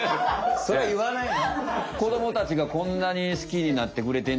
それはいわないの！